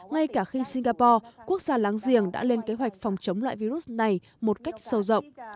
ngay cả khi singapore quốc gia láng giềng đã lên kế hoạch phòng chống loại virus này một cách sâu rộng